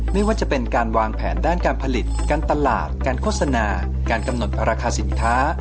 ไม่ว่าจะเป็นการวางแผนด้านการผลิตการตลาดการโฆษณาการกำหนดราคาสินค้า